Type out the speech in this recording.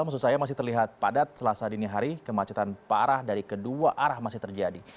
maksud saya masih terlihat padat selasa dini hari kemacetan parah dari kedua arah masih terjadi